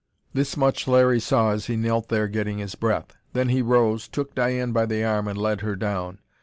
This much Larry saw, as he knelt there getting his breath. Then he rose, took Diane by the arm and led her down.